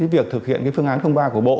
việc thực hiện phương án ba của bộ